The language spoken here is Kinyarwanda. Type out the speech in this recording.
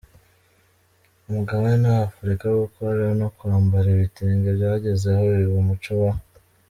mugabane w’Afurika, gukora no kwambara ibitenge byagezeho biba umuco wa